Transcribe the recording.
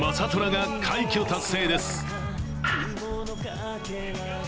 虎が快挙達成です。